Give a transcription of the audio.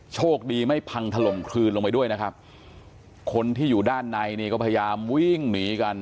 โชคดีไม่พังถล่มคลืนลงไปด้วยนะครับคนที่อยู่ด้านในนี่ก็พยายามวิ่งหนีกัน